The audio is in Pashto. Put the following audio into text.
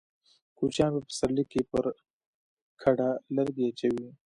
کوچيان په پسرلي کې پر کډه لرګي اچوي.